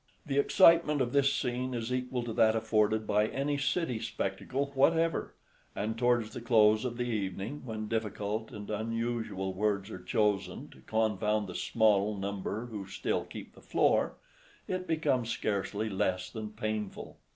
The excitement of this scene is equal to that afforded by any city spectacle whatever; and towards the close of the evening, when difficult and unusual words are chosen to confound the small number who still keep the floor, it becomes scarcely less than painful.